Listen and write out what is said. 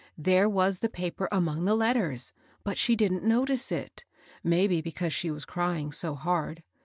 There was the paper among the letters ; but she didn't notice it ; maybe because she was crying so hard.